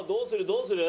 どうする？